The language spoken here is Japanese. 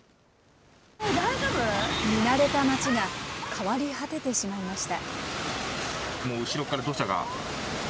見慣れた街が、変わり果ててしまいました。